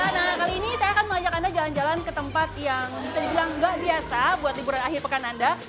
nah kali ini saya akan mengajak anda jalan jalan ke tempat yang bisa dibilang nggak biasa buat liburan akhir pekan anda